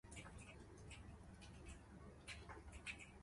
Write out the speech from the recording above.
当我把手机语言设置成英文，整个手机都干净了